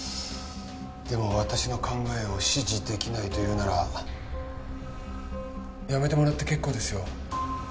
でも私の考えを支持できないというなら辞めてもらって結構ですよ。